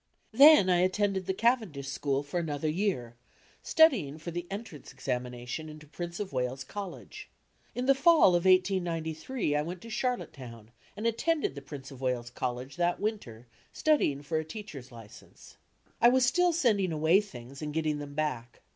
Then I at tended the Cavendish school for another year, studying for the Entrance Examination into Prince of Wales College. In the fall of 1803 I went to Charlottetown, and attended the Prince of Wales College that winter studying for a teacher's license. I was still sending away things and getting them back.